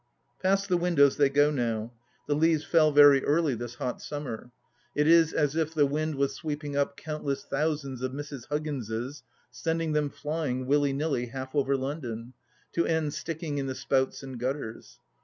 Past the windows they go now — ^the leaves fell very early THE LAST DITCH 148 this hot summer ; it is as if the wind was sweeping up count less thousands of Mrs. Hugginses, sending them flying, willy nilly, half over London, to end sticking in the spouts and gutters.